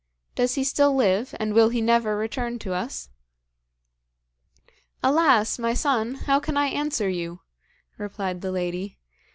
Does he still live, and will he never return to us?' 'Alas! my son, how can I answer you?' replied the lady.